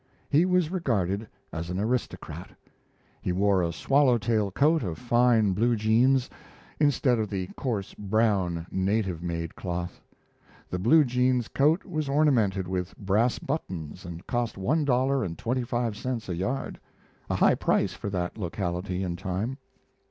He was regarded as an aristocrat. He wore a swallow tail coat of fine blue jeans, instead of the coarse brown native made cloth. The blue jeans coat was ornamented with brass buttons and cost one dollar and twenty five cents a yard, a high price for that locality and time.